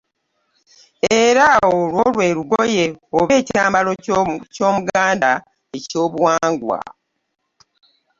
Era olwo lwe lugoye oba ekyambalo ky’Omuganda eky’Obuwangwa.